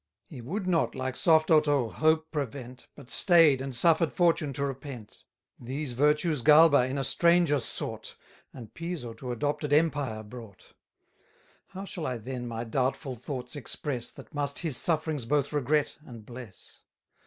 He would not, like soft Otho, hope prevent, But stay'd, and suffer'd fortune to repent. These virtues Galba in a stranger sought, And Piso to adopted empire brought. 70 How shall I then my doubtful thoughts express, That must his sufferings both regret and bless?